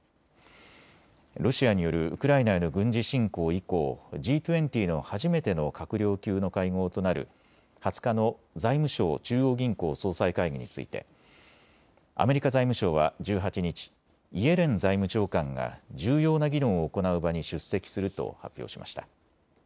ロシアによるウクライナへの軍事侵攻以降、Ｇ２０の初めての閣僚級の会合となる２０日の財務相・中央銀行総裁会議についてアメリカ財務省は１８日、イエレン財務長官が重要な議論を行う場に出席すると発表しました。